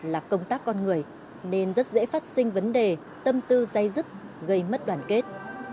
là công tác con người nên rất dễ phát sinh vấn đề tâm tư dây dứt gây mất đoàn kết